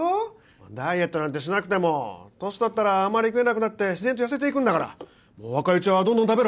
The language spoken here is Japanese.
ダイエットなんてしなくても年とったらあまり食えなくなって自然と痩せていくんだから若いうちはどんどん食べろ！